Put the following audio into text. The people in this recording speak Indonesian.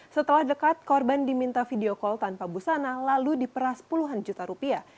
setelah dekat korban diminta video call tanpa busana lalu diperas puluhan juta rupiah